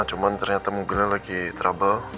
cuman ternyata mobilnya lagi trouble